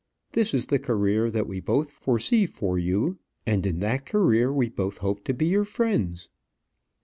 This is the career that we both foresee for you; and in that career we both hope to be your friends."